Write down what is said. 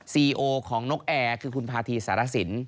ซีโอของนกแอร์คือคุณพาธีสารสิน